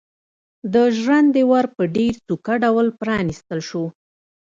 د ژرندې ور په ډېر سوکه ډول پرانيستل شو.